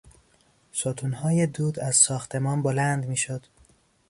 ستونهای دود از ساختمان بلند میشد.